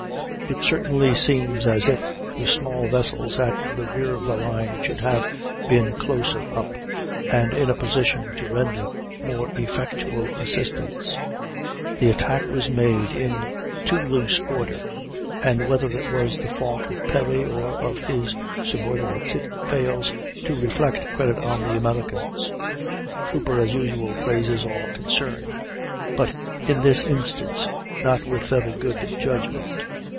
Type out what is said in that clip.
It certainly seems as if the small vessels at the rear of the line should have been closer up, and in a position to render more effectual assistance; the attack was made in too loose order, and, whether it was the fault of Perry or of his subordinates, it fails to reflect credit on the Americans. Cooper, as usual, praises all concerned; but in this instance not with very good judgment.